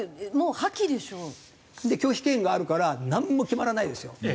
もう破棄でしょ？で拒否権があるからなんも決まらないですよ。